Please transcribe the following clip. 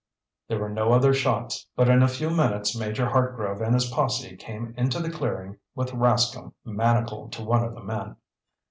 There were no other shots, but in a few minutes Major Hartgrove and his posse came into the clearing with Rascomb manacled to one of the men.